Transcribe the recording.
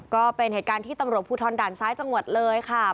ก็เป็นเหตุการณ์ที่ตำรวจภูทรด่านซ้ายจังหวัดเลยค่ะ